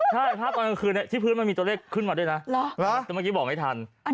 ใช่ภาพตอนกลางคืนที่พื้นมันมีตัวเลขขึ้นมาด้วยนะ